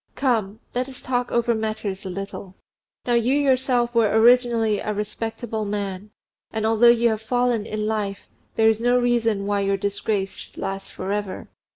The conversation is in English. Come! let us talk over matters a little. Now you yourself were originally a respectable man; and although you have fallen in life, there is no reason why your disgrace should last for ever.